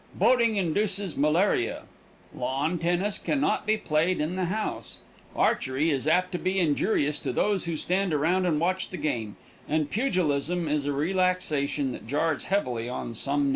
Boating induces malaria. Lawn tennis can not be played in the house. Archery is apt to be injurious to those who stand around and watch the game, and pugilism is a relaxation that jars heavily on some natures.